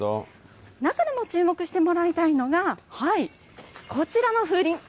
中でも注目してもらいたいのが、こちらの風鈴。